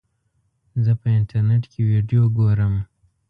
زه په انټرنیټ کې ویډیو ګورم.